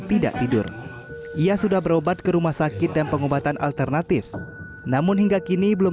tidak tidur ia sudah berobat ke rumah sakit dan pengobatan alternatif namun hingga kini belum